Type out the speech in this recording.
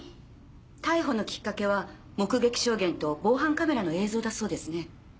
逮捕のきっかけは目撃証言と防犯カメラの映像だそうですね。